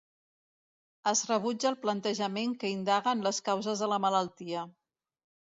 Es rebutja el plantejament que indaga en les causes de la malaltia.